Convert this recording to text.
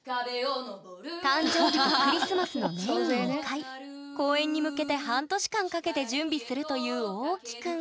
誕生日とクリスマスの年に２回公演に向けて半年間かけて準備するというおうきくん